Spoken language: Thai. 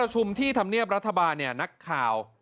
สำนีบรัฐบาลนี้นักข่าว